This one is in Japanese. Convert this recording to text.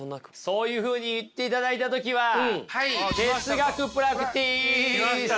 そういうふうに言っていただいた時は来ました哲学プラクティス。